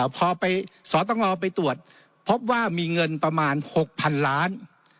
พอไปสตงไปตรวจพบว่ามีเงินประมาณ๖๐๐๐ล้าน